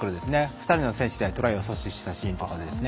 ２人の選手でトライを阻止したシーンとかね。